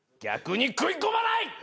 逆に食い込まない！